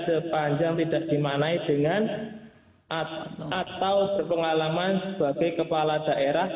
sepanjang tidak dimaknai dengan atau berpengalaman sebagai kepala daerah